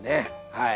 はい。